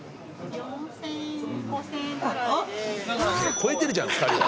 超えてるじゃん２人は。